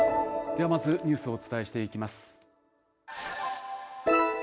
ではまず、ニュースをお伝えしていきます。